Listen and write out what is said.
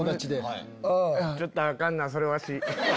ちょっとアカンなそれわし。